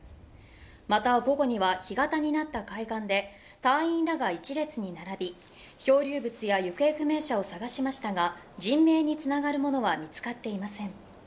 また午後には干潟になった海岸で隊員らが一列に並び、漂流物や行方不明者を探しましたが、人命につながるものは見つかっていません。